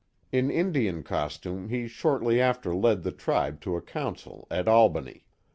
In Indian costume he shortly after led the tribe to a council at Albany.